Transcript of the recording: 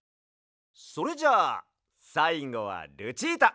それじゃあさいごはルチータ！